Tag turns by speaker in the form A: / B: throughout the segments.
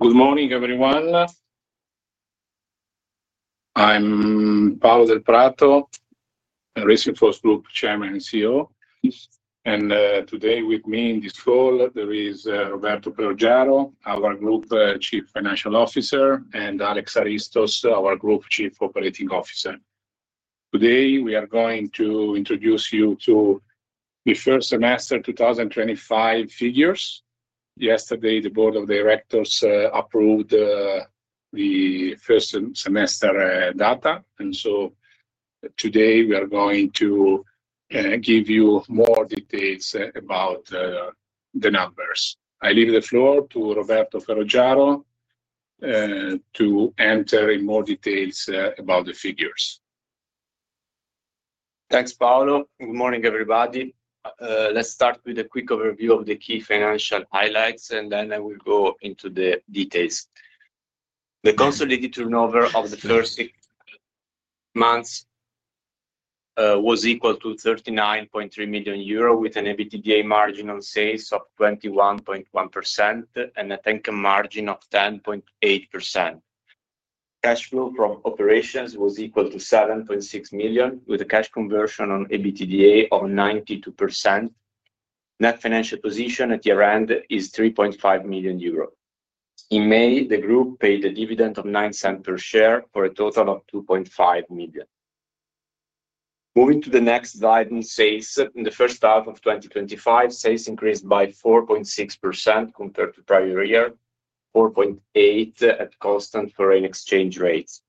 A: Good morning, everyone. I'm Paolo Delprato, Racing Force Group Chairman and CEO. Today, with me in this call, there is Roberto Ferrogiaro, our Group Chief Financial Officer, and Alex Haristos, our Group Chief Operating Officer. Today, we are going to introduce you to the First Semester 2025 Figures. Yesterday, the Board of Directors approved the first semester data. Today, we are going to give you more details about the numbers. I leave the floor to Roberto Ferroggiaro to enter in more details about the figures.
B: Thanks, Paolo. Good morning, everybody. Let's start with a quick overview of the key financial highlights, and then I will go into the details. The consolidated turnover of the first six months was equal to 39.3 million euro, with an EBITDA margin on sales of 21.1% and a tanking margin of 10.8%. Cash flow from operations was equal to 7.6 million, with a cash conversion on EBITDA of 92%. Net financial position at year-end is 3.5 million euro. In May, the group paid a dividend of 0.09 per share for a total of 2.5 million. Moving to the next guidance phase, in the first half of 2025, sales increased by 4.6% compared to the prior year, 4.8% at constant foreign exchange rates.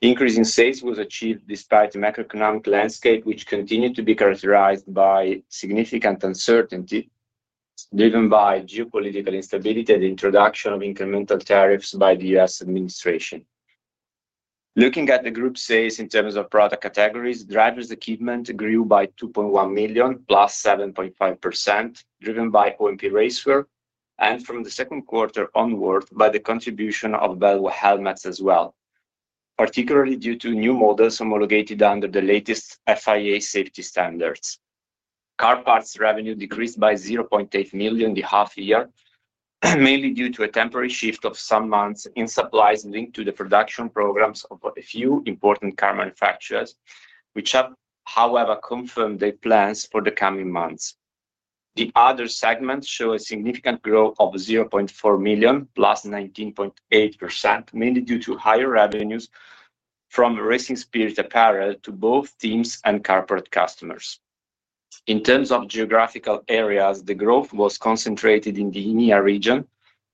B: The increase in sales was achieved despite the macroeconomic landscape, which continued to be characterized by significant uncertainty, driven by geopolitical instability and the introduction of incremental tariffs by the U.S. administration. Looking at the group sales in terms of product categories, driver's equipment grew by 2.1 million, +7.5%, driven by OMP racewear, and from the second quarter onwards, by the contribution of Bell Helmets as well, particularly due to new models homologated under the latest FIA safety standards. Car parts revenue decreased by 0.8 million in the half year, mainly due to a temporary shift of some months in supplies linked to the production programs of a few important car manufacturers, which have, however, confirmed their plans for the coming months. The other segments show a significant growth of 0.4 million, +19.8%, mainly due to higher revenues from Racing Spirit apparel to both teams and corporate customers. In terms of geographical areas, the growth was concentrated in the EMEA region,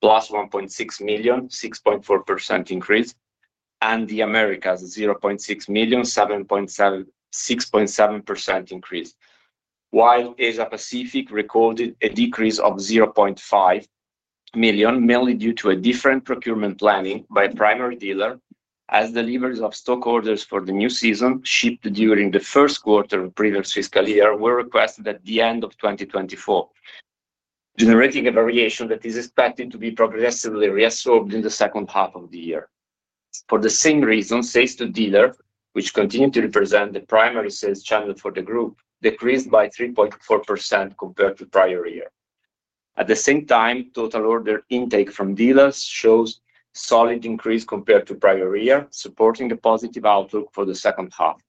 B: +1.6 million, 6.4% increase, and the Americas, 0.6 million, 6.7% increase, while Asia Pacific recorded a decrease of 0.5 million, mainly due to a different procurement planning by a primary dealer, as deliveries of stock orders for the new season, shipped during the first quarter of the previous fiscal year, were requested at the end of 2024, generating a variation that is expected to be progressively reabsorbed in the second half of the year. For the same reason, sales to dealers, which continue to represent the primary sales channel for the group, decreased by 3.4% compared to the prior year. At the same time, total order intake from dealers shows a solid increase compared to the prior year, supporting the positive outlook for the second half.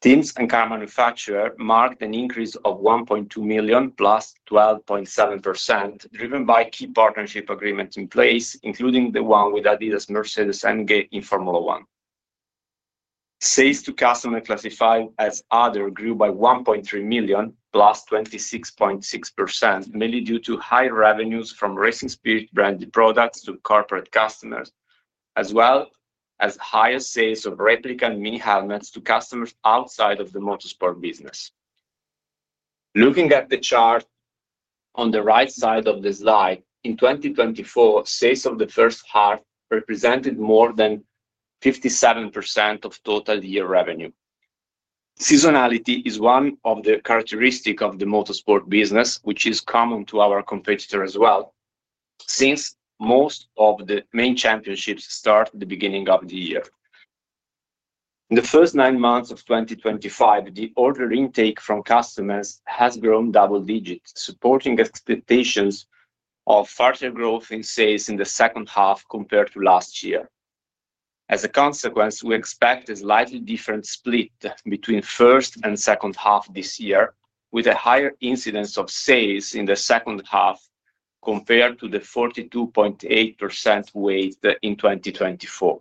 B: Teams and car manufacturers marked an increase of 1.2 million, +12.7%, driven by key partnership agreements in place, including the one with adidas, Mercedes, and Gates in Formula One. Sales to customers classified as "other" grew by 1.3 million, +26.6%, mainly due to higher revenues from Racing Spirit branded products to corporate customers, as well as higher sales of replica mini-helmets to customers outside of the motorsport business. Looking at the chart on the right side of the slide, in 2024, sales of the first part represented more than 57% of total year revenue. Seasonality is one of the characteristics of the motorsport business, which is common to our competitors as well, since most of the main championships start at the beginning of the year. In the first nine months of 2025, the order intake from customers has grown double-digit, supporting expectations of further growth in sales in the second half compared to last year. As a consequence, we expect a slightly different split between the first and second half this year, with a higher incidence of sales in the second half compared to the 42.8% weight in 2024.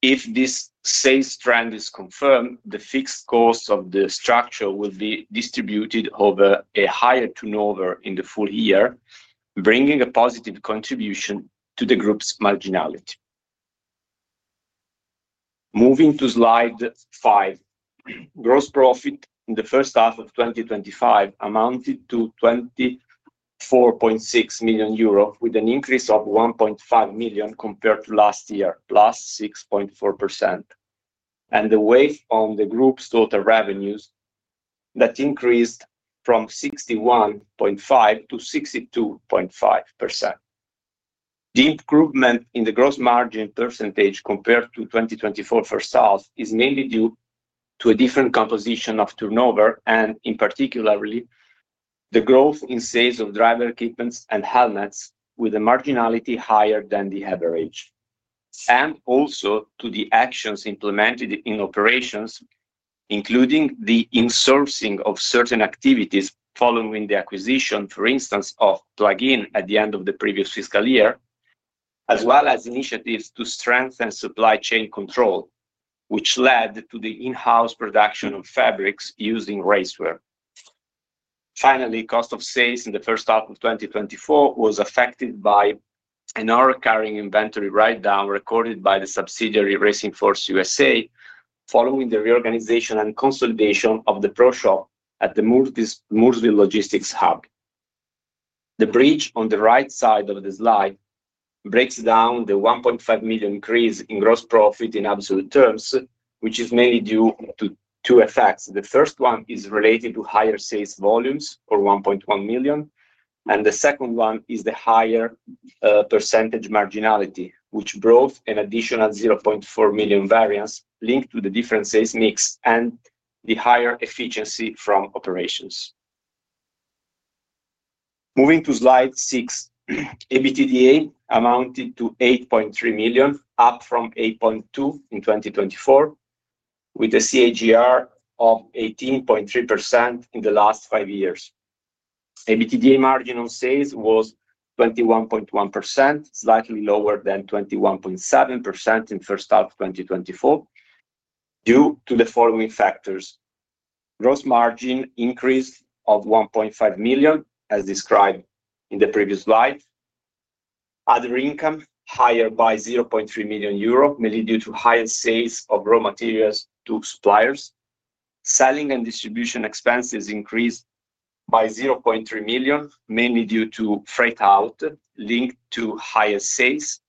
B: If this sales trend is confirmed, the fixed costs of the structure will be distributed over a higher turnover in the full year, bringing a positive contribution to the group's marginality. Moving to slide 5, gross profit in the first half of 2025 amounted to 24.6 million euro, with an increase of 1.5 million compared to last year, +6.4%. The weight on the group's total revenues increased from 61.5%-62.5%. The improvement in the gross margin percentage compared to 2024 first half is mainly due to a different composition of turnover and, in particular, the growth in sales of driver equipment and helmets, with a marginality higher than the average, and also to the actions implemented in operations, including the insourcing of certain activities following the acquisition, for instance, of Plug-In at the end of the previous fiscal year, as well as initiatives to strengthen supply chain control, which led to the in-house production of fabrics using racewear. Finally, cost of sales in the first half of 2024 was affected by a non-recurring inventory write-down recorded by the subsidiary Racing Force USA following the reorganization and consolidation of the pro shop at the Mooresville Logistics Hub. The bridge on the right side of the slide breaks down the $1.5 million increase in gross profit in absolute terms, which is mainly due to two effects. The first one is related to higher sales volumes for $1.1 million, and the second one is the higher percentage marginality, which brought an additional $0.4 million variance linked to the different sales mix and the higher efficiency from operations. Moving to slide 6, EBITDA amounted to $8.3 million, up from $8.2 million in 2024, with a CAGR of 18.3% in the last five years. EBITDA margin on sales was 21.1%, slightly lower than 21.7% in the first half of 2024, due to the following factors: gross margin increase of $1.5 million, as described in the previous slide, other income higher by $0.3 million, mainly due to higher sales of raw materials to suppliers, selling and distribution expenses increased by $0.3 million, mainly due to freight out linked to higher sales,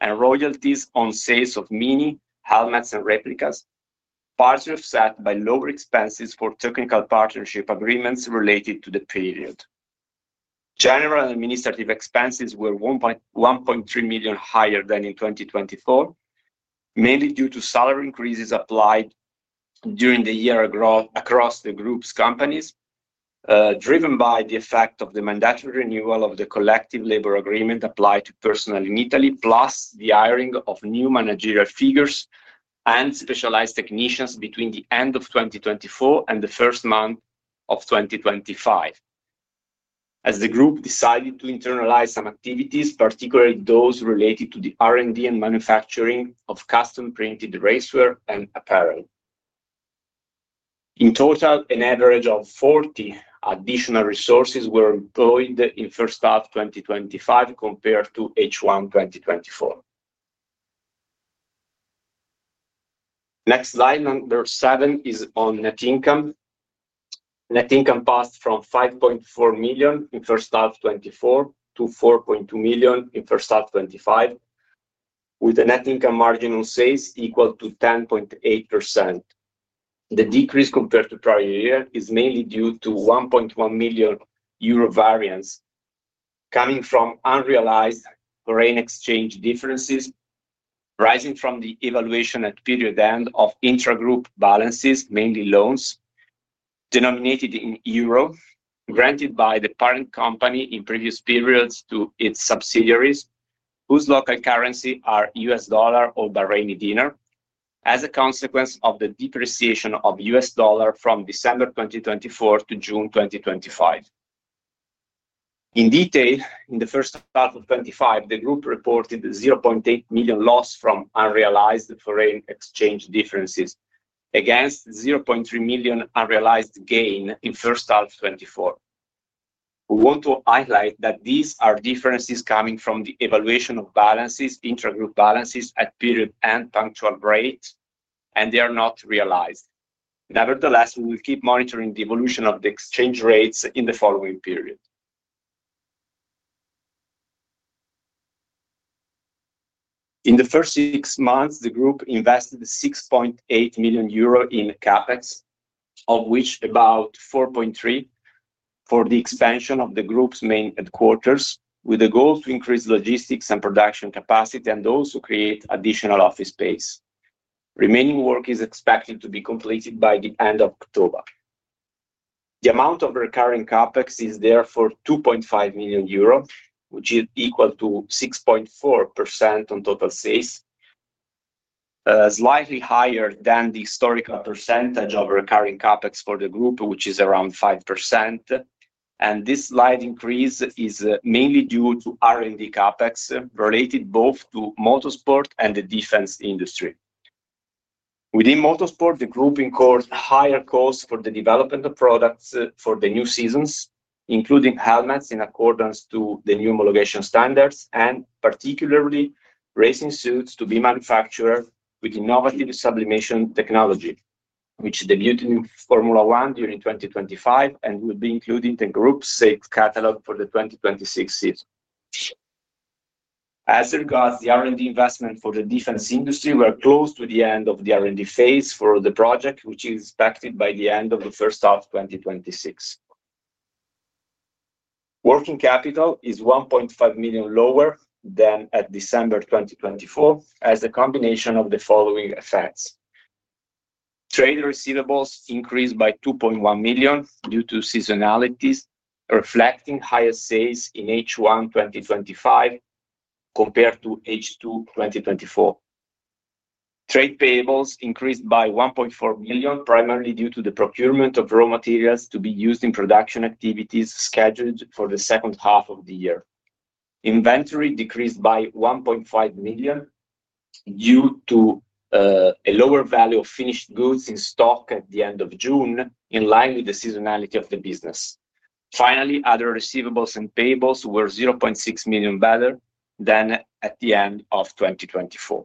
B: and royalties on sales of mini-helmet and replicas partially offset by lower expenses for technical partnership agreements related to the period. General and administrative expenses were $1.3 million higher than in 2024, mainly due to salary increases applied during the year across the group's companies, driven by the effect of the mandatory renewal of the collective labor agreement applied to personnel in Italy, plus the hiring of new managerial figures and specialized technicians between the end of 2024 and the first month of 2025. As the group decided to internalize some activities, particularly those related to the R&D and manufacturing of custom-printed racewear and apparel. In total, an average of 40 additional resources were employed in the first half of 2025 compared to H1 2024. Next slide, number seven, is on net income. Net income passed from $5.4 million in the first half of 2024 to $4.2 million in the first half of 2025, with a net income margin on sales equal to 10.8%. The decrease compared to the prior year is mainly due to $1.1 million variance coming from unrealized foreign exchange differences rising from the evaluation at the period end of intragroup balances, mainly loans denominated in euros, granted by the parent company in previous periods to its subsidiaries, whose local currency are U.S. dollar or Bahraini dinar, as a consequence of the depreciation of U.S. dollar from December 2024 to June 2025. In detail, in the first half of 2025, the group reported a 0.8 million loss from unrealized foreign exchange differences against a 0.3 million unrealized gain in the first half of 2024. We want to highlight that these are differences coming from the evaluation of balances, intragroup balances at period-end punctual rates, and they are not realized. Nevertheless, we will keep monitoring the evolution of the exchange rates in the following periods. In the first six months, the group invested 6.8 million euro in CapEx, of which about 4.3 million for the expansion of the group's main headquarters, with the goal to increase logistics and production capacity and also create additional office space. Remaining work is expected to be completed by the end of October. The amount of recurring CapEx is therefore 2.5 million euro, which is equal to 6.4% of total sales, slightly higher than the historical percentage of recurring CapEx for the group, which is around 5%. This slight increase is mainly due to R&D CapEx related both to motorsport and the defense industry. Within motorsport, the group incurs higher costs for the development of products for the new seasons, including helmets in accordance with the new homologation standards, and particularly racing suits to be manufactured with innovative sublimation technology, which is debuted in Formula One during 2025 and will be included in the group's sales catalog for the 2026 season. As a regard, the R&D investment for the defense industry was close to the end of the R&D phase for the project, which is expected by the end of the first half of 2026. Working capital is 1.5 million lower than at December 2024, as a combination of the following effects: trade receivables increased by 2.1 million due to seasonalities, reflecting higher sales in H1 2025 compared to H2 2024. Trade payables increased by 1.4 million, primarily due to the procurement of raw materials to be used in production activities scheduled for the second half of the year. Inventory decreased by 1.5 million due to a lower value of finished goods in stock at the end of June, in line with the seasonality of the business. Finally, other receivables and payables were 0.6 million better than at the end of 2024.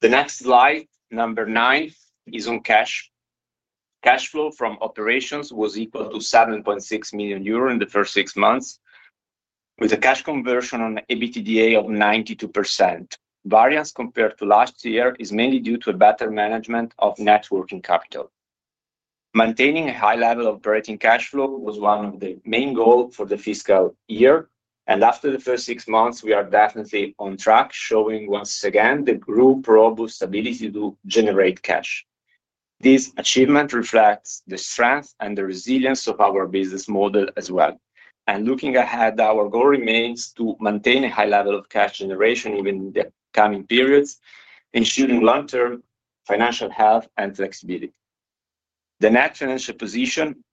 B: The next slide, number nine, is on cash. Cash flow from operations was equal to 7.6 million euro in the first six months, with a cash conversion on EBITDA of 92%. Variance compared to last year is mainly due to a better management of net working capital. Maintaining a high level of operating cash flow was one of the main goals for the fiscal year, and after the first six months, we are definitely on track, showing once again the group's robust ability to generate cash. This achievement reflects the strength and the resilience of our business model as well. Looking ahead, our goal remains to maintain a high level of cash generation even in the coming periods, ensuring long-term financial health and flexibility. The net financial position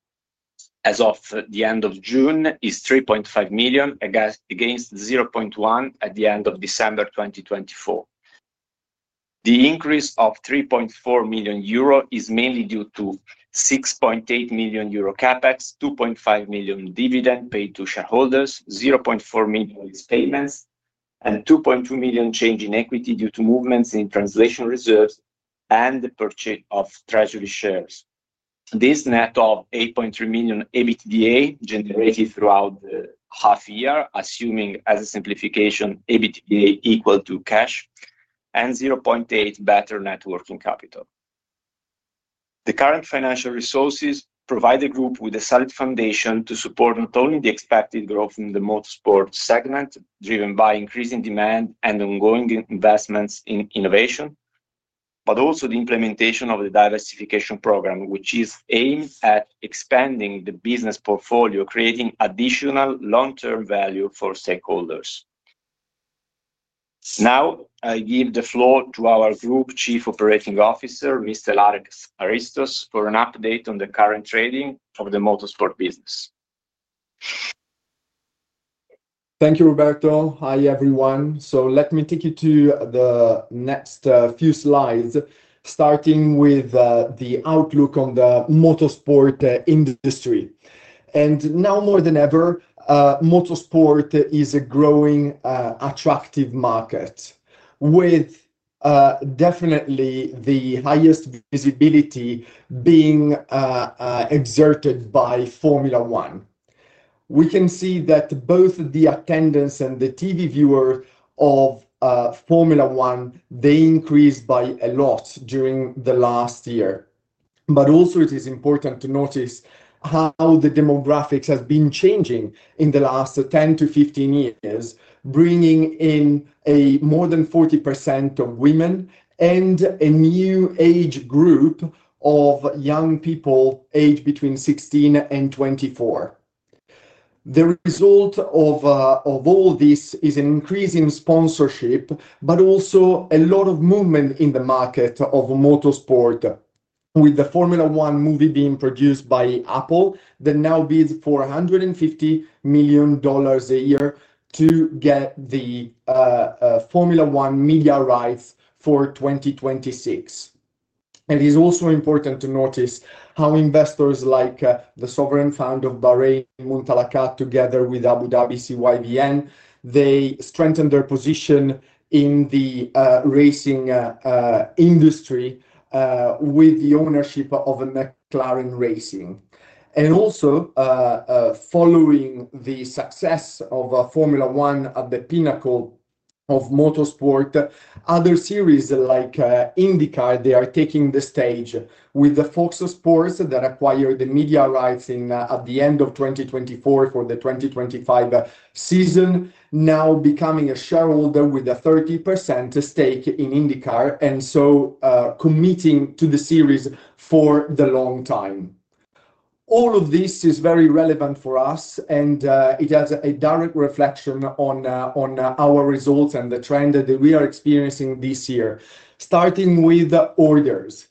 B: as of the end of June is 3.5 million against 0.1 million at the end of December 2024. The increase of 3.4 million euro is mainly due to 6.8 million euro CapEx, 2.5 million dividends paid to shareholders, 0.4 million in lease payments, and 2.2 million change in equity due to movements in translation reserves and the purchase of treasury shares. This net of 8.3 million EBITDA generated throughout the half year, assuming, as a simplification, EBITDA equal to cash and 0.8 million better net working capital. The current financial resources provide the group with a solid foundation to support not only the expected growth in the motorsport segment, driven by increasing demand and ongoing investments in innovation, but also the implementation of the diversification program, which is aimed at expanding the business portfolio, creating additional long-term value for stakeholders. Now, I give the floor to our Group Chief Operating Officer, Mr. Alex Haristos, for an update on the current trading of the motorsport business.
C: Thank you, Roberto. Hi, everyone. Let me take you to the next few slides, starting with the outlook on the motorsport industry. Now more than ever, motorsport is a growing, attractive market, with definitely the highest visibility being exerted by Formula One. We can see that both the attendance and the TV viewers of Formula One increased by a lot during the last year. It is important to notice how the demographics have been changing in the last 10-15 years, bringing in more than 40% of women and a new age group of young people aged between 16 and 24. The result of all this is an increase in sponsorship, but also a lot of movement in the market of motorsport, with the Formula One movie being produced by Apple that now bids $450 million a year to get the Formula One media rights for 2026. It is also important to notice how investors like the sovereign founder of Bahrain, Mumtalakat, together with Abu Dhabi's CYVN, strengthened their position in the racing industry with the ownership of McLaren Racing. Following the success of Formula One at the pinnacle of motorsport, other series like INDYCAR are taking the stage with Fox Sports that acquired the media rights at the end of 2024 for the 2025 season, now becoming a shareholder with a 30% stake in INDYCAR and committing to the series for the long time. All of this is very relevant for us, and it has a direct reflection on our results and the trend that we are experiencing this year, starting with Orders.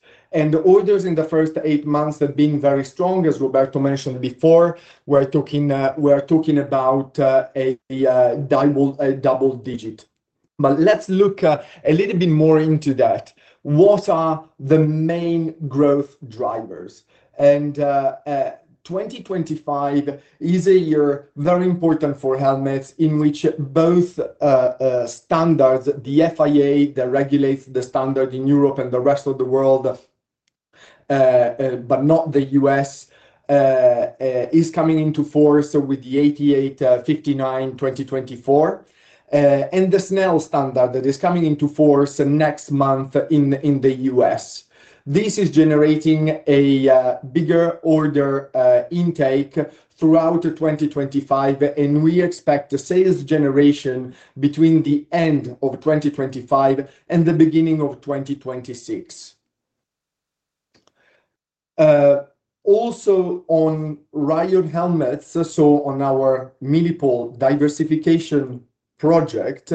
C: Orders in the first eight months have been very strong, as Roberto mentioned before. We are talking about a double digit. Let's look a little bit more into that. What are the main growth drivers? 2025 is a year very important for helmets, in which both standards, the FIA, that regulates the standard in Europe and the rest of the world, but not the U.S., is coming into force with the ADA 59-2024 and the SNELL standard that is coming into force next month in the U.S. This is generating a bigger order intake throughout 2025, and we expect sales generation between the end of 2025 and the beginning of 2026. Also on Ryan helmets, so on our Mini-Pole diversification project,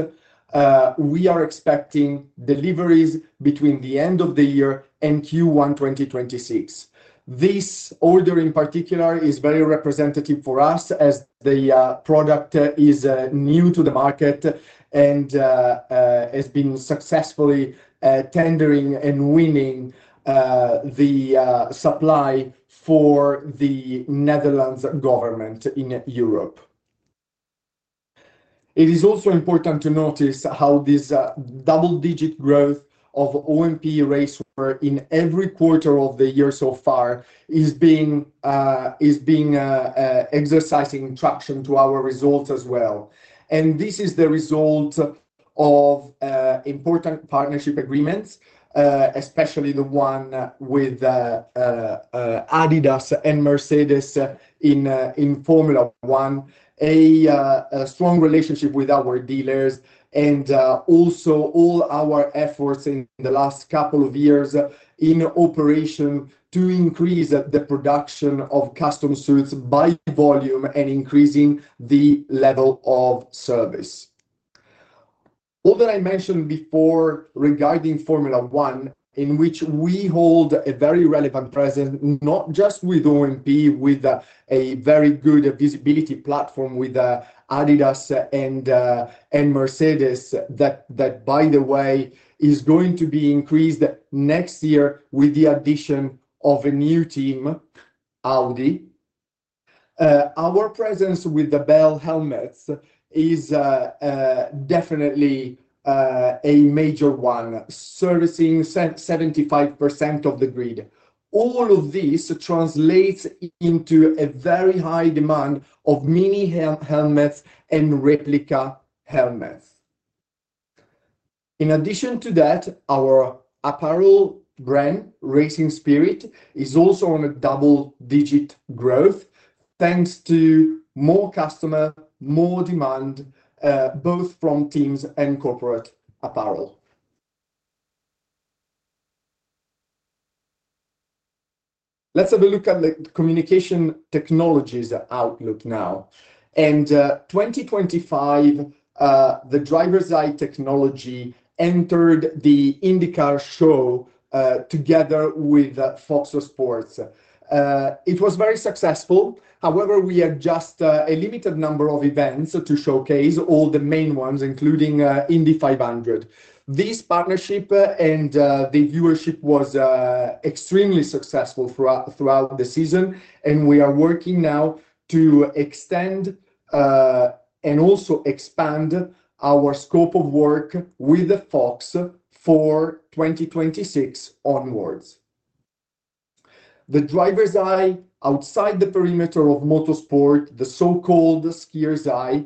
C: we are expecting deliveries between the end of the year and Q1 2026. This order in particular is very representative for us as the product is new to the market and has been successfully tendering and winning the supply for the Netherlands government in Europe. It is also important to notice how this double-digit growth of OMP racewear in every quarter of the year so far has been exercising traction to our results as well. This is the result of important partnership agreements, especially the one with adidas and Mercedes in Formula One, a strong relationship with our dealers, and also all our efforts in the last couple of years in operation to increase the production of custom suits by volume and increasing the level of service. All that I mentioned before regarding Formula One, in which we hold a very relevant presence, not just with OMP, with a very good visibility platform with adidas and Mercedes, that, by the way, is going to be increased next year with the addition of a new team, Audi. Our presence with the Bell Helmets is definitely a major one, servicing 75% of the grid. All of this translates into a very high demand of mini-helmets and replica helmets. In addition to that, our apparel brand, Racing Spirit, is also on a double-digit growth, thanks to more customers, more demand, both from teams and corporate apparel. Let's have a look at the communication technologies outlook now. In 2025, the Driver’s Eye technology entered the INDYCAR show together with Fox Sports. It was very successful. However, we had just a limited number of events to showcase, all the main ones, including Indy 500. This partnership and the viewership was extremely successful throughout the season, and we are working now to extend and also expand our scope of work with Fox for 2026 onwards. The Driver’s Eye outside the perimeter of motorsport, the so-called Skier’s Eye,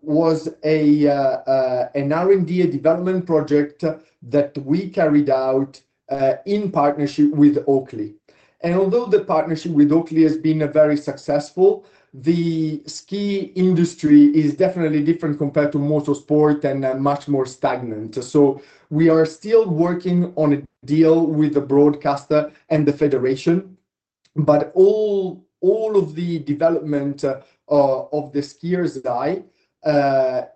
C: was an R&D development project that we carried out in partnership with Oakley. Although the partnership with Oakley has been very successful, the ski industry is definitely different compared to motorsport and much more stagnant. We are still working on a deal with the broadcaster and the federation. All of the development of the Skier’s Eye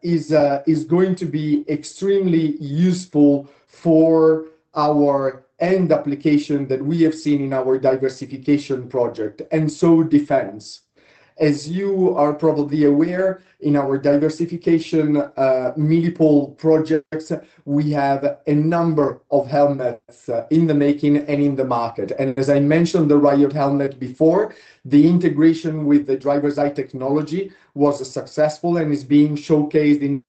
C: is going to be extremely useful for our end application that we have seen in our diversification project, and so defense. As you are probably aware, in our diversification Mini-Pole projects, we have a number of helmets in the making and in the market. As I mentioned the Ryan helmet before, the integration with the Driver’s Eye technology was successful and is being showcased in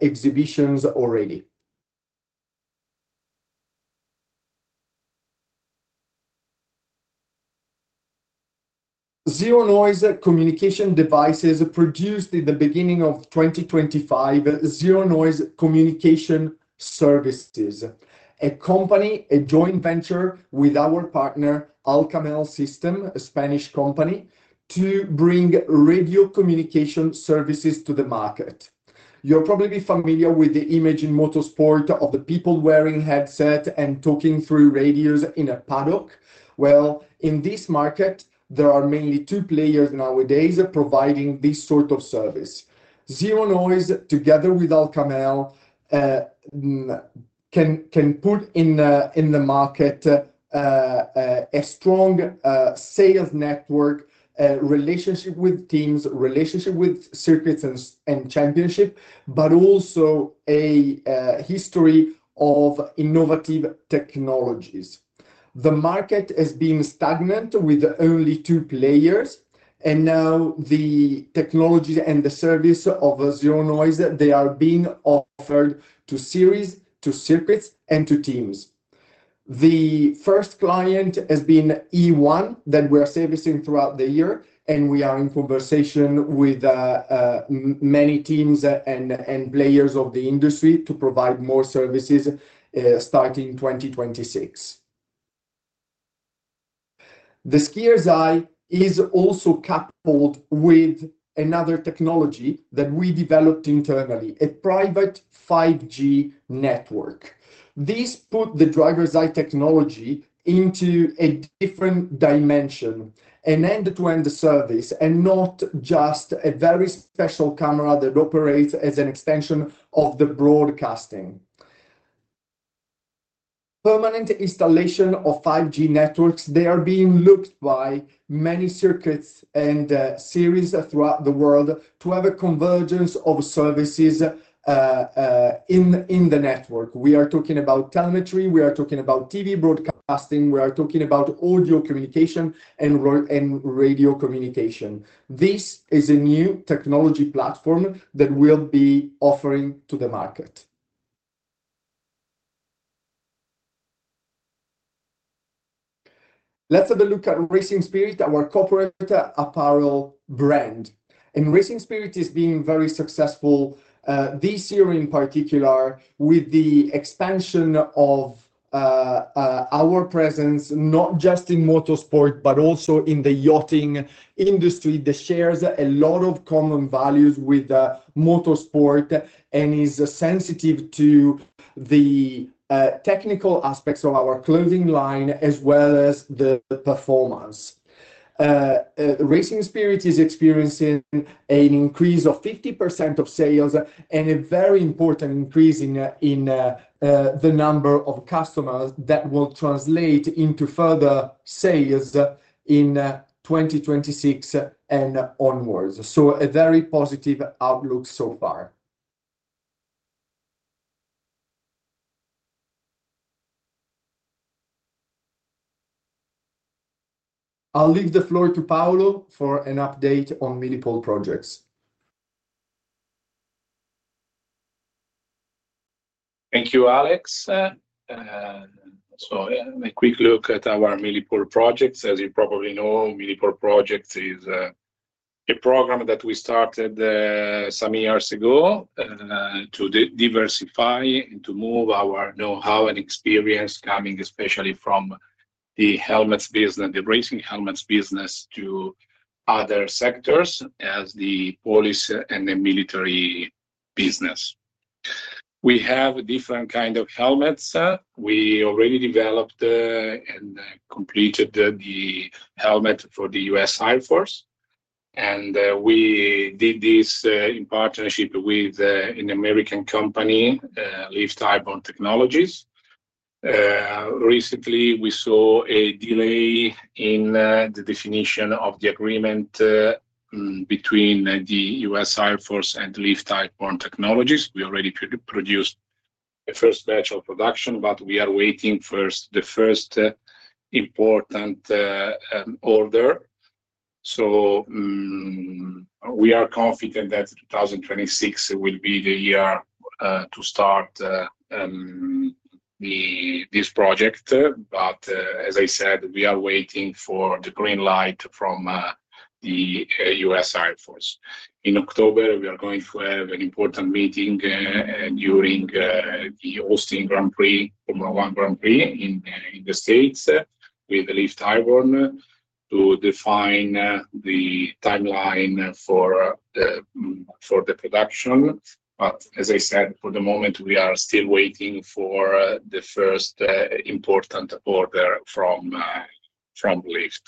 C: exhibitions already. Zeronoise communications devices produced at the beginning of 2025, Zeronoise Communication Services, a company, a joint venture with our partner, Al Kamel System, a Spanish company, to bring radio communication services to the market. You're probably familiar with the image in motorsport of the people wearing headsets and talking through radios in a paddock. In this market, there are mainly two players nowadays providing this sort of service. Zeronoise, together with Al Kamel, can put in the market a strong sales network, a relationship with teams, relationship with circuits and championships, but also a history of innovative technologies. The market has been stagnant with only two players, and now the technology and the service of Zeronoise, they are being offered to series, to circuits, and to teams. The first client has been E1 that we are servicing throughout the year, and we are in conversation with many teams and players of the industry to provide more services starting 2026. The Skier’s Eye is also coupled with another technology that we developed internally, a private 5G network. This puts the Driver’s Eye technology into a different dimension, an end-to-end service, and not just a very special camera that operates as an extension of the broadcasting. Permanent installation of 5G networks, they are being looked by many circuits and series throughout the world to have a convergence of services in the network. We are talking about telemetry, we are talking about TV broadcasting, we are talking about audio communication and radio communication. This is a new technology platform that we'll be offering to the market. Let's have a look at Racing Spirit, our corporate apparel brand. Racing Spirit has been very successful this year in particular with the expansion of our presence, not just in motorsport, but also in the yachting industry. It shares a lot of common values with motorsport and is sensitive to the technical aspects of our clothing line, as well as the performance. Racing Spirit is experiencing an increase of 50% of sales and a very important increase in the number of customers that will translate into further sales in 2026 and onwards. A very positive outlook so far. I'll leave the floor to Paolo for an update on Mini-Pole projects.
A: Thank you, Alex. A quick look at our Mini-Pole projects. As you probably know, Mini-Pole projects is a program that we started some years ago to diversify and to move our know-how and experience, coming especially from the helmets business and the racing helmets business to other sectors as the police and the military business. We have different kinds of helmets. We already developed and completed the helmet for the U.S. Air Force, and we did this in partnership with an American company, Lifetime Bond Technologies. Recently, we saw a delay in the definition of the agreement between the U.S. Air Force and Lifetime Bond Technologies. We already produced the first batch of production, but we are waiting for the first important order. We are confident that 2026 will be the year to start this project. As I said, we are waiting for the green light from the U.S. Air Force. In October, we are going to have an important meeting during the Austin Grand Prix, Formula One Grand Prix in the States with Lifetime Bond to define the timeline for the production. As I said, for the moment, we are still waiting for the first important order from [Trump list].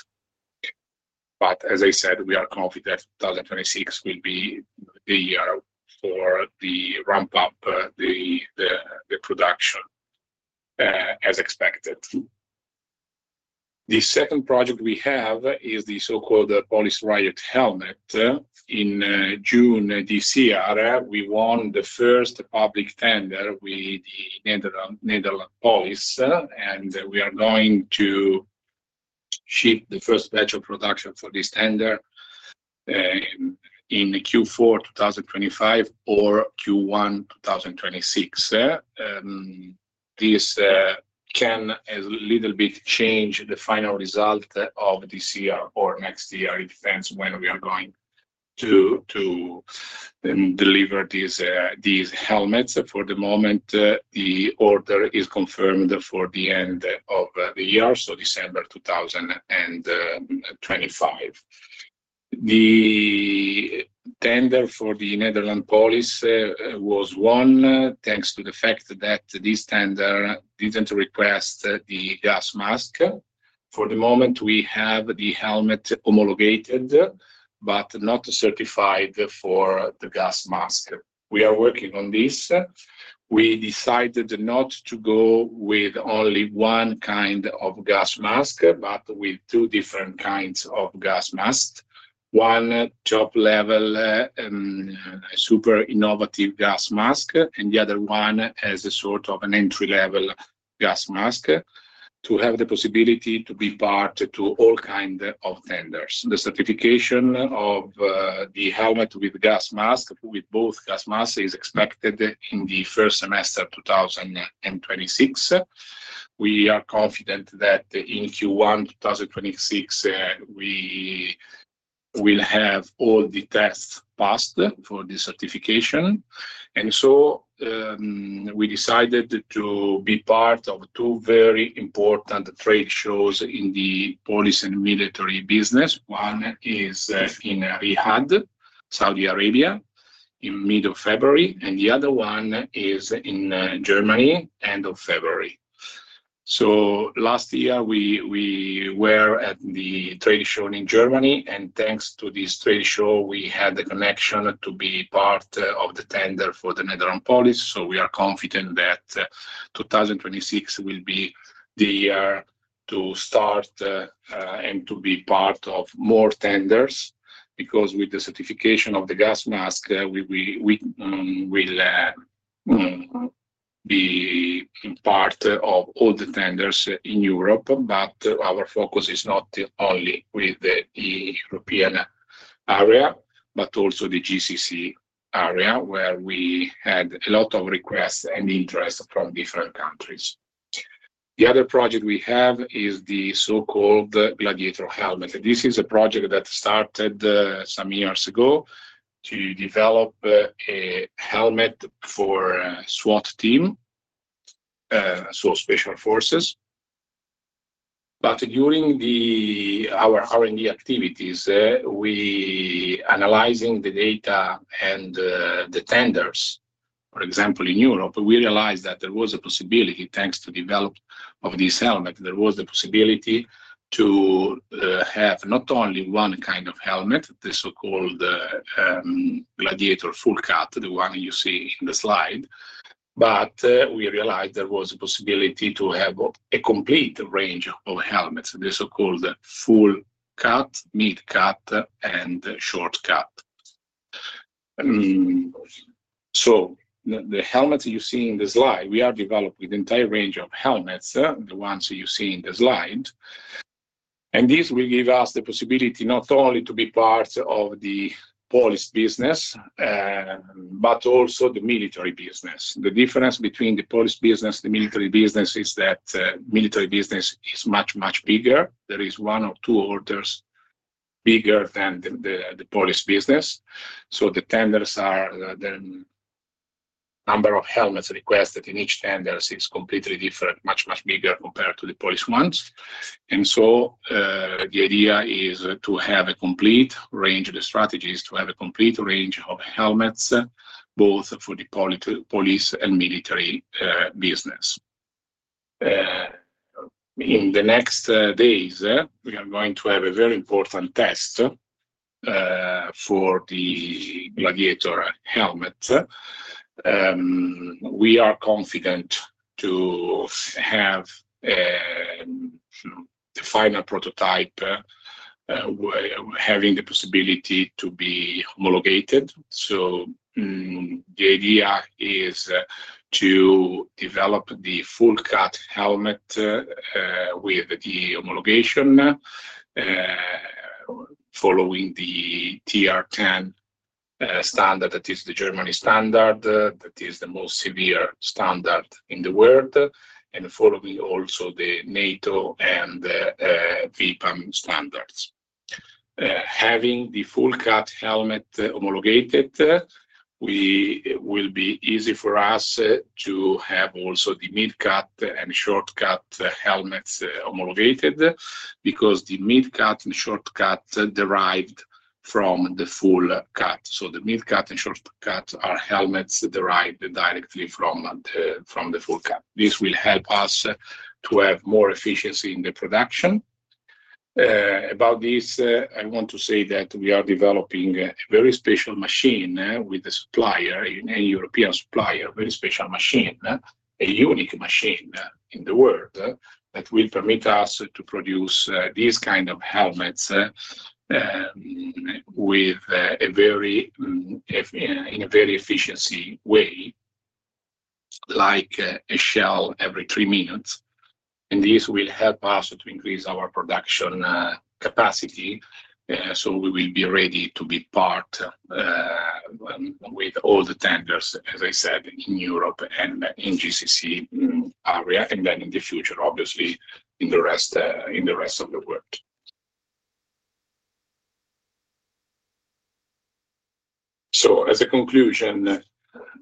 A: As I said, we are confident that 2026 will be the year for the ramp-up, the production as expected. The second project we have is the so-called Police Riot Helmet. In June this year, we won the first public tender with the Netherlands Police, and we are going to ship the first batch of production for this tender in Q4 2025 or Q1 2026. This can a little bit change the final result of this year or next year. It depends when we are going to deliver these helmets. For the moment, the order is confirmed for the end of the year, so December 2025. The tender for the Netherlands Police was won thanks to the fact that this tender didn't request the gas mask. For the moment, we have the helmet homologated but not certified for the gas mask. We are working on this. We decided not to go with only one kind of gas mask, but with two different kinds of gas masks. One top-level, a super innovative gas mask, and the other one as a sort of an entry-level gas mask to have the possibility to be part of all kinds of tenders. The certification of the helmet with gas mask, with both gas masks, is expected in the first semester of 2026. We are confident that in Q1 2026, we will have all the tests passed for the certification. We decided to be part of two very important trade shows in the police and military business. One is in Riyadh, Saudi Arabia, in the middle of February, and the other one is in Germany, end of February. Last year, we were at the trade show in Germany, and thanks to this trade show, we had the connection to be part of the tender for the Netherlands Police. We are confident that 2026 will be the year to start and to be part of more tenders because with the certification of the gas mask, we will be in part of all the tenders in Europe. Our focus is not only with the European area, but also the GCC area, where we had a lot of requests and interest from different countries. The other project we have is the so-called Gladiator helmet. This is a project that started some years ago to develop a helmet for SWAT teams, so special forces. During our R&D activities, we were analyzing the data and the tenders. For example, in Europe, we realized that there was a possibility, thanks to the development of this helmet, to have not only one kind of helmet, the so-called Gladiator full cut, the one you see in the slide, but we realized there was a possibility to have a complete range of helmets, the so-called full cut, mid-cut, and short cut. The helmet you see in the slide, we are developing an entire range of helmets, the ones you see in the slide. This will give us the possibility not only to be part of the police business, but also the military business. The difference between the police business and the military business is that the military business is much, much bigger. There are one or two orders bigger than the police business. The tenders are the number of helmets requested in each tender is completely different, much, much bigger compared to the police ones. The idea is to have a complete range of the strategies, to have a complete range of helmets, both for the police and military business. In the next days, we are going to have a very important test for the Gladiator helmet. We are confident to have the final prototype having the possibility to be homologated. The idea is to develop the full-cut helmet with the homologation following the TR10 standard. That is the Germany standard. That is the most severe standard in the world, and following also the NATO and the PPAM standards. Having the full-cut helmet homologated will be easy for us to have also the mid-cut and short-cut helmets homologated because the mid-cut and short-cut are derived from the full cut. The mid-cut and short-cut are helmets derived directly from the full-cut. This will help us to have more efficiency in the production. About this, I want to say that we are developing a very special machine with a supplier, a European supplier, a very special machine, a unique machine in the world that will permit us to produce these kinds of helmets in a very efficient way, like a shell every three minutes. This will help us to increase our production capacity. We will be ready to be part with all the tenders, as I said, in Europe and in the GCC area, and then in the future, obviously, in the rest of the world. As a conclusion,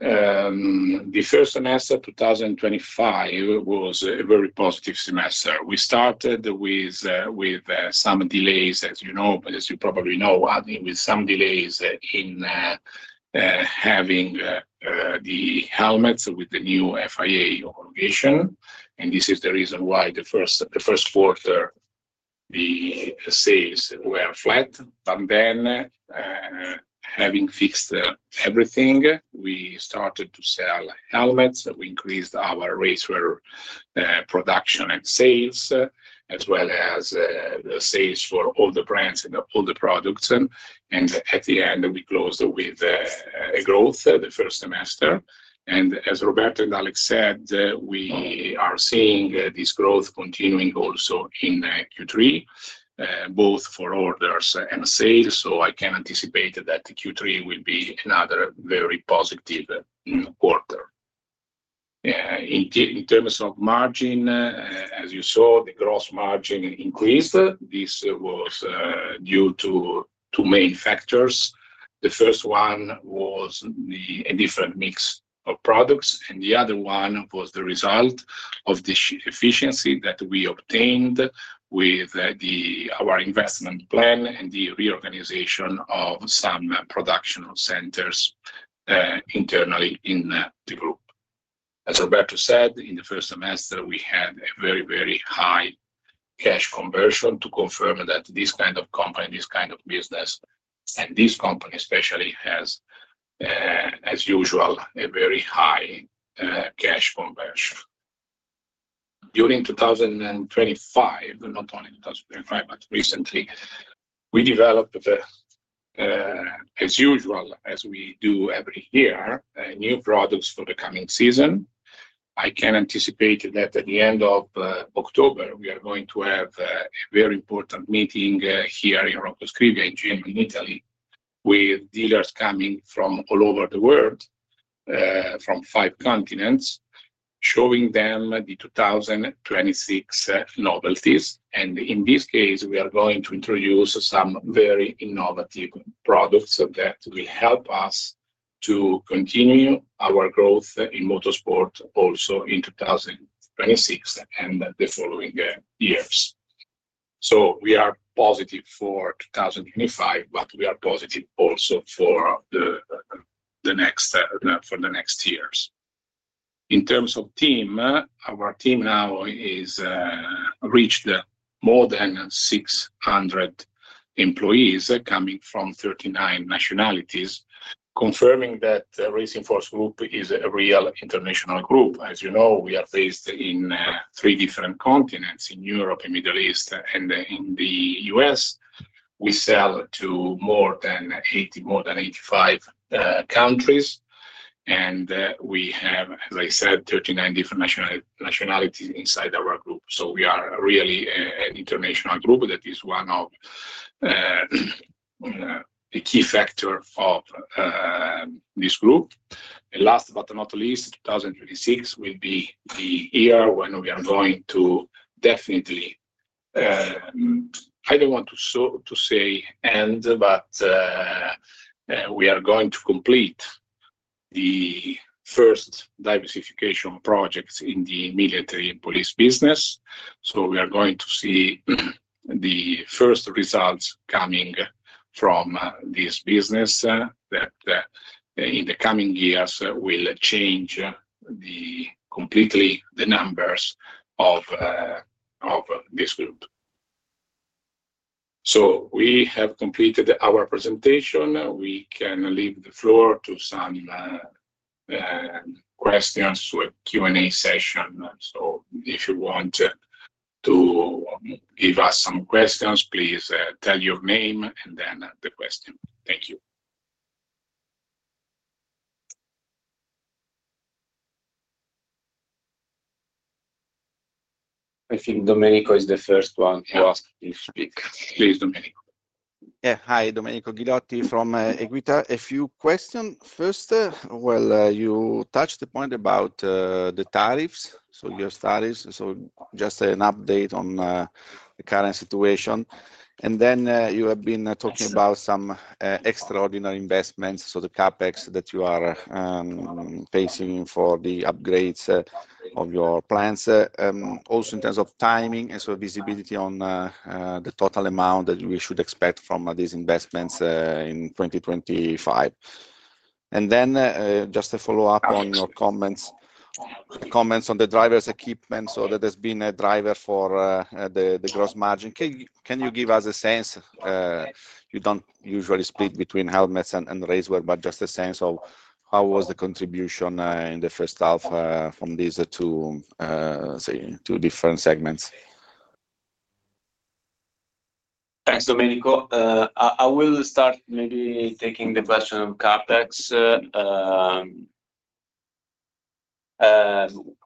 A: the first semester of 2025 was a very positive semester. We started with some delays, as you know, with some delays in having the helmets with the new FIA homologation. This is the reason why the first quarter the sales were flat. Having fixed everything, we started to sell helmets. We increased our racewear production and sales, as well as the sales for all the brands and all the products. At the end, we closed with a growth the first semester. As Roberto and Alex said, we are seeing this growth continuing also in Q3, both for orders and sales. I can anticipate that Q3 will be another very positive quarter. In terms of margin, as you saw, the gross margin increased. This was due to two main factors. The first one was a different mix of products, and the other one was the result of the efficiency that we obtained with our investment plan and the reorganization of some production centers internally in the group. As Roberto said, in the first semester, we had a very, very high cash conversion to confirm that this kind of company, this kind of business, and this company especially, has, as usual, a very high cash conversion. During 2025, not only in 2025, but recently, we developed, as usual, as we do every year, new products for the coming season. I can anticipate that at the end of October, we are going to have a very important meeting here in Roccascrivia, in Genova, Italy, with dealers coming from all over the world, from five continents, showing them the 2026 novelties. In this case, we are going to introduce some very innovative products that will help us to continue our growth in motorsport also in 2026 and the following years. We are positive for 2025, but we are positive also for the next years. In terms of team, our team now has reached more than 600 employees coming from 39 nationalities, confirming that the Racing Force Group is a real international group. As you know, we are based in three different continents: in Europe, in the Middle East, and in the U.S. We sell to more than 80, more than 85 countries. We have, as I said, 39 different nationalities inside our group. We are really an international group that is one of the key factors of this group. Last but not least, 2026 will be the year when we are going to definitely, I don't want to say end, but we are going to complete the first diversification projects in the military and police business. We are going to see the first results coming from this business that in the coming years will change completely the numbers of this group. We have completed our presentation. We can leave the floor to some questions, to a Q&A session. If you want to give us some questions, please tell your name and then the question. Thank you. I think Domenico is the first one who wants to speak. Please, Domenico.
D: Yeah. Hi, Domenico Ghilotti from Equita. A few questions. First, you touched the point about the tariffs, your studies. Just an update on the current situation. You have been talking about some extraordinary investments, the CapEx that you are facing for the upgrades of your plants. Also, in terms of timing and visibility on the total amount that we should expect from these investments in 2025. Just a follow-up on your comments, the comments on the driver's equipment. That has been a driver for the gross margin. Can you give us a sense? You don't usually split between helmets and racewear, but just a sense of how was the contribution in the first half from these two different segments?
A: Thanks, Domenico. I will start maybe taking the question of CapEx.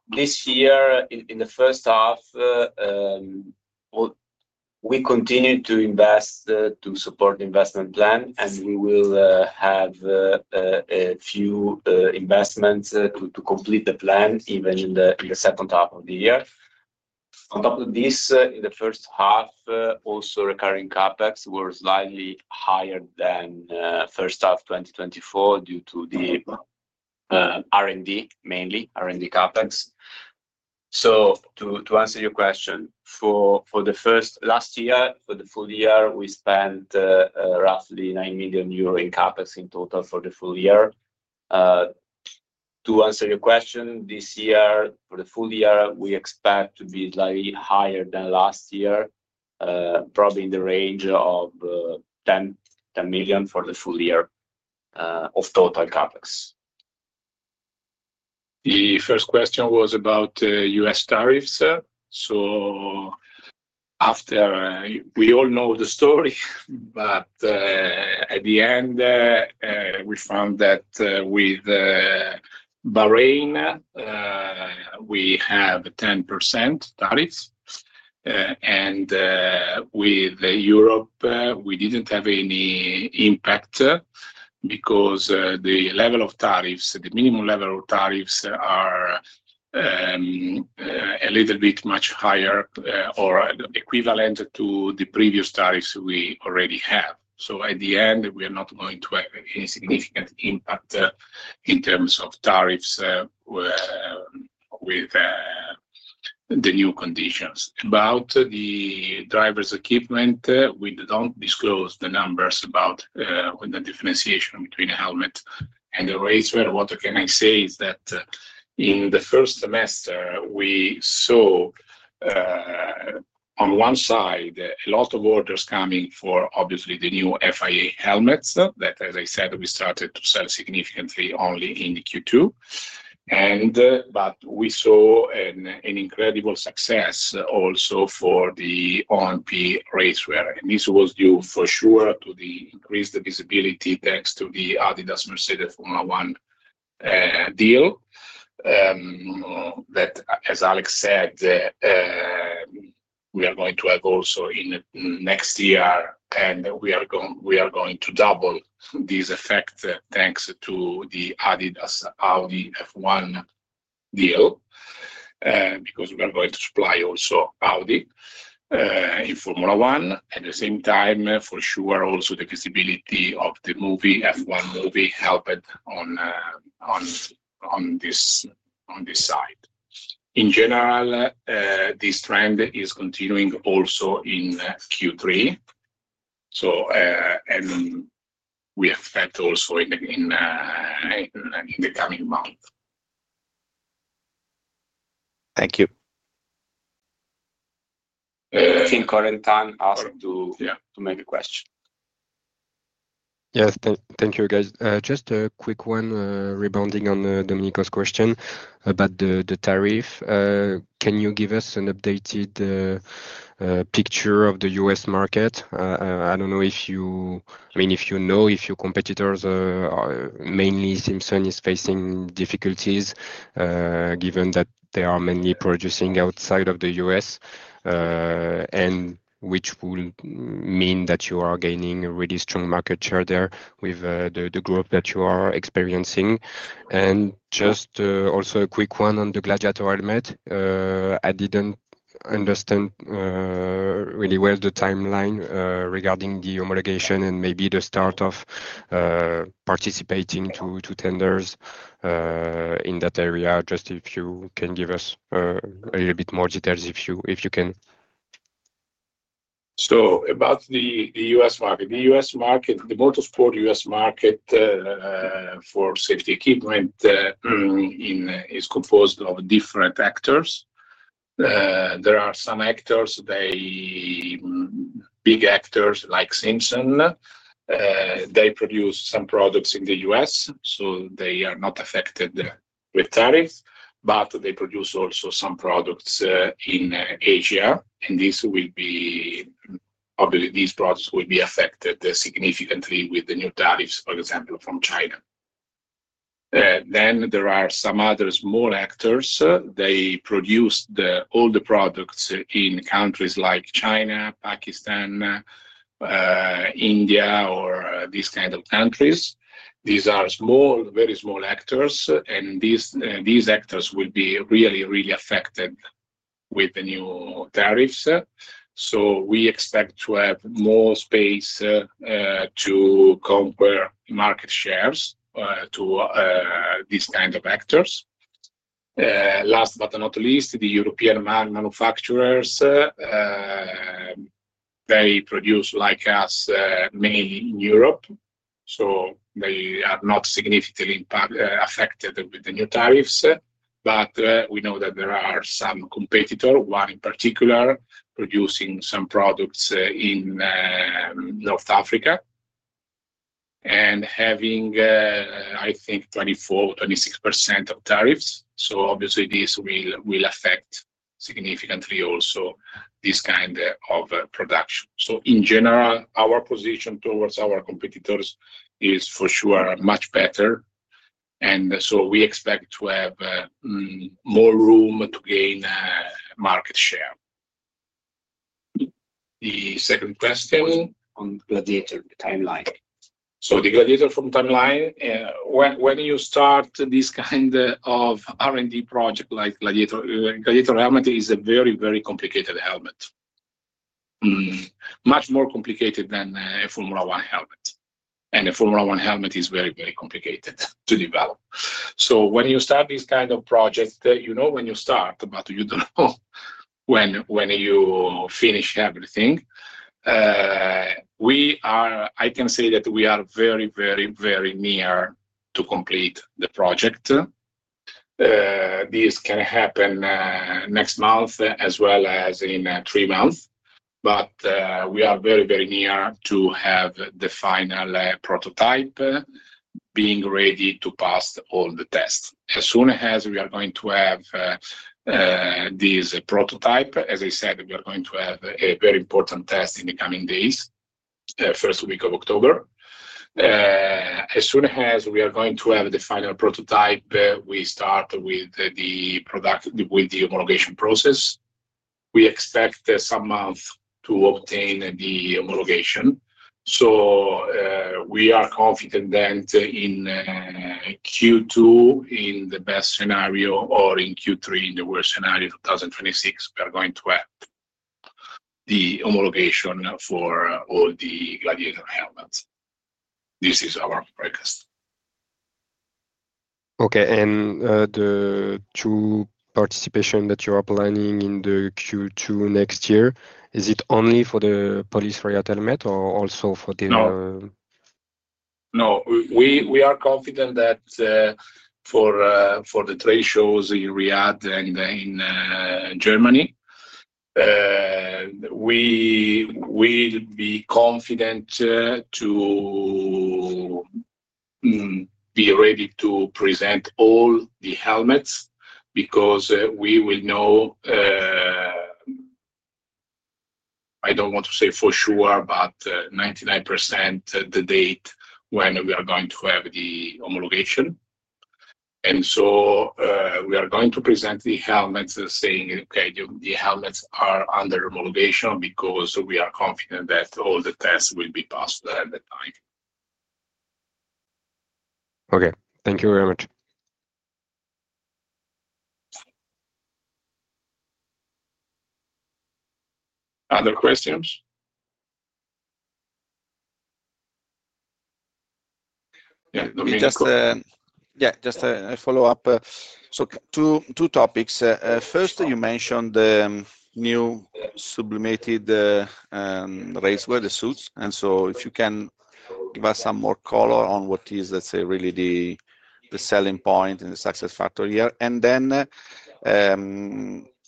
A: This year, in the first half, we continue to invest to support the investment plan, and we will have a few investments to complete the plan even in the second half of the year. On top of this, in the first half, also recurring CapEx were slightly higher than the first half of 2023 due to the R&D, mainly R&D CapEx. To answer your question, for last year, for the full year, we spent roughly 9 million euro in CapEx in total for the full year. To answer your question, this year, for the full year, we expect to be slightly higher than last year, probably in the range of 10 million for the full year of total CapEx. The first question was about U.S. tariffs. After, we all know the story, at the end, we found that with Bahrain, we have a 10% tariff. With Europe, we didn't have any impact because the level of tariffs, the minimum level of tariffs, are a little bit much higher or equivalent to the previous tariffs we already have. At the end, we are not going to have any significant impact in terms of tariffs with the new conditions. About the driver's equipment, we don't disclose the numbers about the differentiation between a helmet and a racewear. What I can say is that in the first semester, we saw on one side a lot of orders coming for, obviously, the new FIA helmets that, as I said, we started to sell significantly only in Q2. We saw an incredible success also for the OMP racewear. This was due for sure to the increased visibility thanks to the adidas-Mercedes Formula One deal that, as Alex said, we are going to have also in next year, and we are going to double this effect thanks to the adidas-Audi F1 deal because we are going to supply also Audi in Formula One. At the same time, for sure, also the visibility of the movie F1 will be helped on this side. In general, this trend is continuing also in Q3, and we expect also in the coming month.
D: Thank you.
A: I think Corentin asked to make a question. Yes. Thank you, guys. Just a quick one, rebounding on Domenico's question about the tariff. Can you give us an updated picture of the U.S. market? I don't know if you, I mean, if you know if your competitors, mainly Simpson, are facing difficulties given that they are mainly producing outside of the U.S., which would mean that you are gaining a really strong market share there with the growth that you are experiencing. Also, just a quick one on the Gladiator helmet. I didn't understand really well the timeline regarding the homologation and maybe the start of participating in tenders in that area. Just if you can give us a little bit more details, if you can. About the U.S. market, the U.S. motorsport market for safety equipment is composed of different actors. There are some big actors like Simpson. They produce some products in the U.S., so they are not affected with tariffs, but they also produce some products in Asia. These products will be affected significantly with new tariffs, for example, from China. There are some other small actors. They produce all the products in countries like China, Pakistan, India, or these kinds of countries. These are very small actors, and these actors will be really, really affected with the new tariffs. We expect to have more space to conquer market shares from these kinds of actors. Last but not least, the European manufacturers produce, like us, mainly in Europe, so they are not significantly affected with the new tariffs. We know that there are some competitors, one in particular, producing some products in North Africa and having, I think, 24% or 26% of tariffs. Obviously, this will affect significantly also this kind of production. In general, our position towards our competitors is for sure much better, and we expect to have more room to gain market share. The second question on Gladiator timeline. The Gladiator, from timeline, when you start this kind of R&D project like Gladiator, Gladiator helmet is a very, very complicated helmet, much more complicated than a Formula One helmet. A Formula One helmet is very, very complicated to develop. When you start this kind of project, you know when you start, but you don't know when you finish everything. I can say that we are very, very, very near to complete the project. This can happen next month as well as in three months, but we are very, very near to have the final prototype being ready to pass all the tests. As soon as we are going to have this prototype, as I said, we are going to have a very important test in the coming days, the first week of October. As soon as we are going to have the final prototype, we start with the product with the homologation process. We expect some months to obtain the homologation. We are confident that in Q2, in the best scenario, or in Q3, in the worst scenario, 2026, we are going to have the homologation for all the Gladiator helmets. This is our request. Okay. The two participations that you are planning in Q2 next year, is it only for the Police Riot Helmet or also for the? No. We are confident that for the trade shows in Riyadh and in Germany, we will be confident to be ready to present all the helmets because we will know, I don't want to say for sure, but 99% the date when we are going to have the homologation. We are going to present the helmets saying, "Okay, the helmets are under homologation because we are confident that all the tests will be passed at the time. Okay, thank you very much. Other questions?
D: Yeah. Just a follow-up. Two topics. First, you mentioned the new sublimated racewear, the suits. If you can give us some more color on what is, let's say, really the selling point and the success factor here.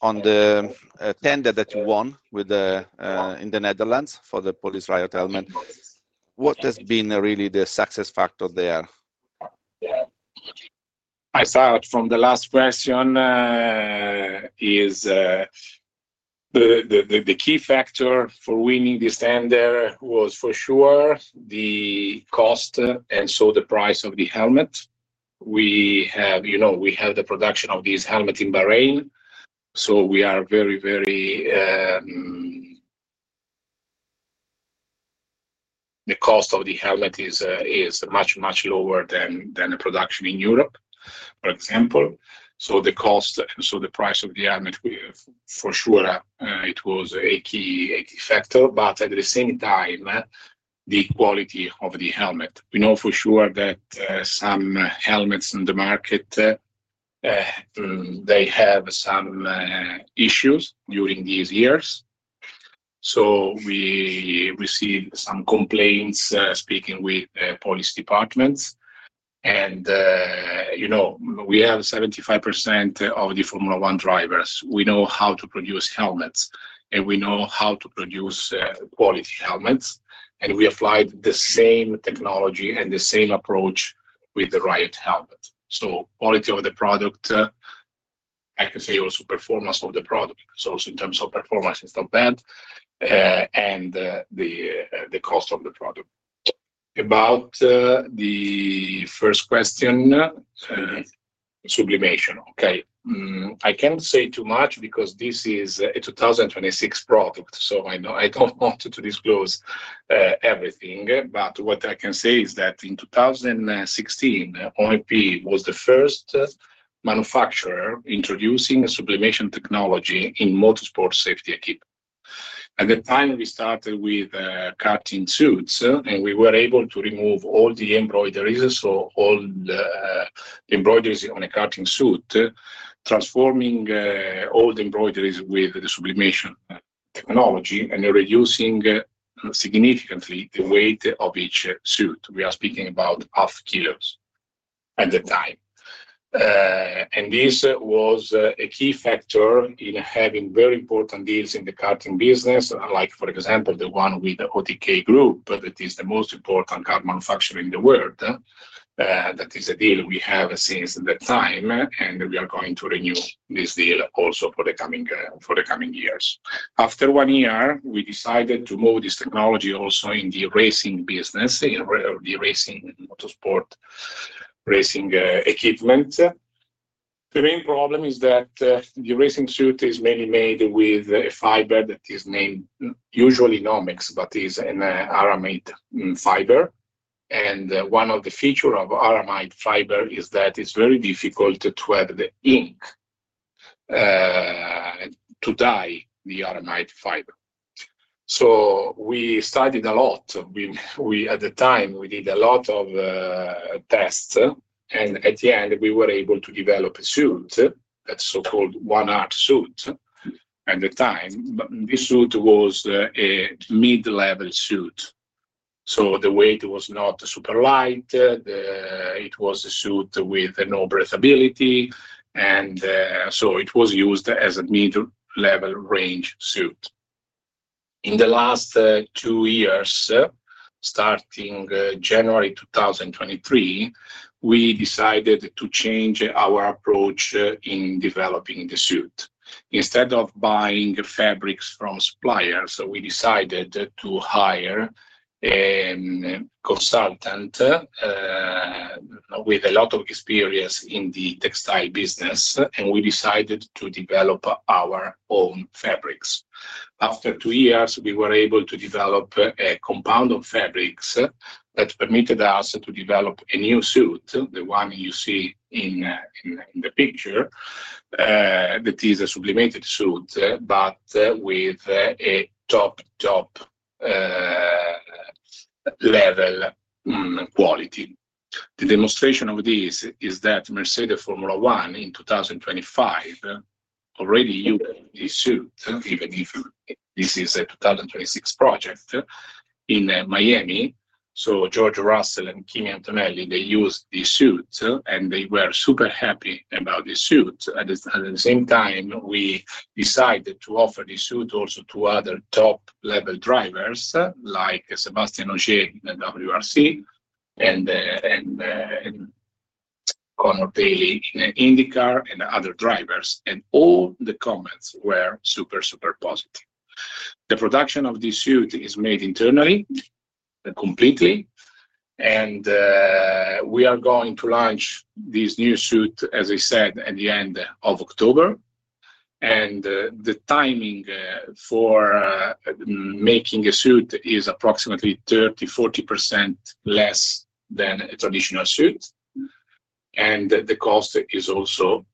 D: On the tender that you won in the Netherlands for the Police Riot Helmet, what has been really the success factor there?
A: I thought from the last question, the key factor for winning this tender was for sure the cost and so the price of the helmet. We have the production of this helmet in Bahrain. We are very, very the cost of the helmet is much, much lower than the production in Europe, for example. The cost, so the price of the helmet, for sure, it was a key factor. At the same time, the quality of the helmet. We know for sure that some helmets in the market have some issues during these years. We received some complaints speaking with police departments. We have 75% of the Formula One drivers. We know how to produce helmets, and we know how to produce quality helmets. We applied the same technology and the same approach with the Riot helmet. Quality of the product, I can say also performance of the product. In terms of performance, it's not bad. The cost of the product. About the first question, sublimation. I cannot say too much because this is a 2026 product. I don't want to disclose everything. What I can say is that in 2016, OMP was the first manufacturer introducing a sublimation technology in motorsport safety equipment. Finally, we started with karting suits, and we were able to remove all the embroideries, so all the embroideries on a karting suit, transforming all the embroideries with the sublimation technology, and reducing significantly the weight of each suit. We are speaking about 0.5 kilos at the time. This was a key factor in having very important deals in the karting business, like for example, the one with the OTK Group. That is the most important kart manufacturer in the world. That is the deal we have since that time, and we are going to renew this deal also for the coming years. After one year, we decided to move this technology also in the racing business, in the racing to sport racing equipment. The main problem is that the racing suit is mainly made with a fiber that is usually Nomex, but is an aramid fiber. One of the features of aramid fiber is that it's very difficult to add the ink to dye the aramid fiber. We studied a lot. At the time, we did a lot of tests, and at the end, we were able to develop a suit, a so-called one-arc suit at the time. This suit was a mid-level suit. The weight was not super light. It was a suit with no breathability. It was used as a mid-level range suit. In the last two years, starting January 2023, we decided to change our approach in developing the suit. Instead of buying fabrics from suppliers, we decided to hire a consultant with a lot of experience in the textile business, and we decided to develop our own fabrics. After two years, we were able to develop a compound of fabrics that permitted us to develop a new suit, the one you see in the picture. That is a sublimated suit, but with a top, top level quality. The demonstration of this is that Mercedes Formula One in 2025 already used this suit, even if this is a 2026 project in Miami. George Russell and Kimi Antonelli, they used this suit, and they were super happy about this suit. At the same time, we decided to offer this suit also to other top-level drivers like Sébastien Ogier in WRC and Conor Daly in INDYCAR and other drivers. All the comments were super, super positive. The production of this suit is made internally, completely. We are going to launch this new suit, as I said, at the end of October. The timing for making a suit is approximately 30%-40% less than a traditional suit. The cost is also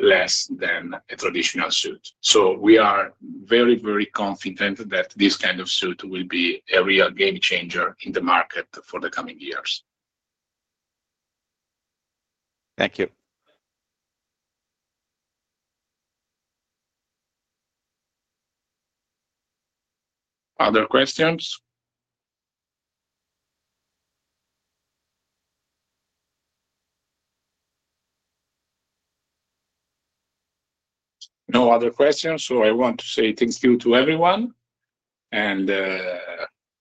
A: less than a traditional suit. We are very, very confident that this kind of suit will be a real game changer in the market for the coming years.
D: Thank you.
A: Other questions? No other questions. I want to say thank you to everyone and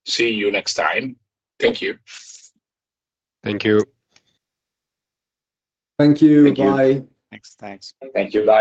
A: see you next time. Thank you.
B: Thank you.
E: Thank you. Goodbye.
D: Thanks.
A: Thank you. Bye.